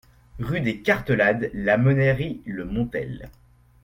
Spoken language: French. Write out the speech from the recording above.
Rue des Cartelades, La Monnerie-le-Montel